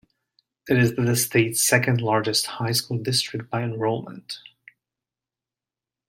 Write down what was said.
It is the state's second largest high school district by enrollment.